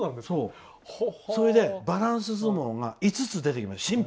それで、バランス相撲が５つ出てきました。